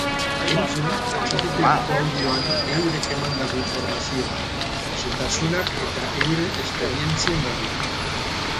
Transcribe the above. Entzun atxikituriko audioan eurek emandako informazioa, xehetasunak eta euren esperientzien berri!